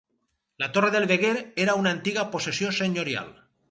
La torre del Veguer era una antiga possessió senyorial.